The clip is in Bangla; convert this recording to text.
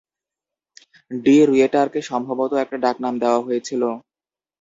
ডি রুয়েটারকে সম্ভবত একটা ডাকনাম দেওয়া হয়েছিল।